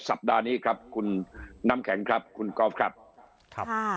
สัปดาห์นี้ครับคุณน้ำแข็งครับคุณกอล์ฟครับครับ